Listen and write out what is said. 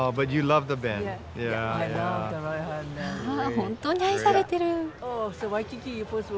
本当に愛されてる。